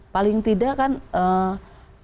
paling tidak kan eee